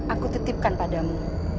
aku tutipkan padamu